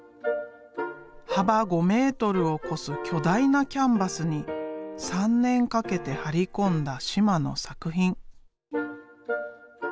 幅５メートルを超す巨大なキャンバスに３年かけて貼り込んだ嶋の作品。